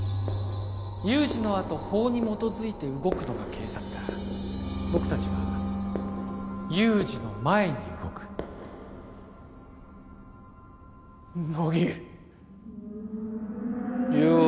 有事のあと法に基づいて動くのが警察だ僕達は有事の前に動く乃木よう